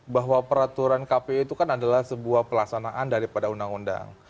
bahwa peraturan kpu itu kan adalah sebuah pelaksanaan daripada undang undang